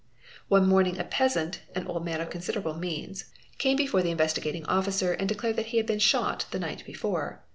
. One morning a peasant, an old man of considerable means, car before the Investigating Officer and declared that he had been shot th a night before.